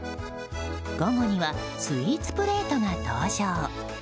午後にはスイーツプレートが登場。